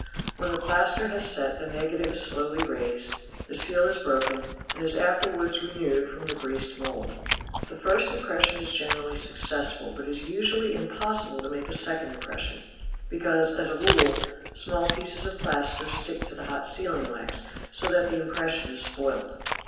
When the plaster has set the negative is slowly raised, the seal is broken, and is afterwards renewed from the greased mould. The first impres sion is generally successful, but it is usually impossible to make a second impression, because, as a rule, small pieces of plaster stick to the hot sealing wax, so that the impression is spoilt.